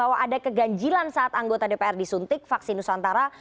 bahwa ada keganjilan saat anggota dpr disuntik vaksin nusantara